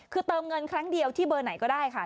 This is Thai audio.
คือเติมเงินครั้งเดียวที่เบอร์ไหนก็ได้ค่ะ